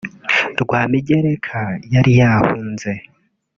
Rwamigereka yari yahunze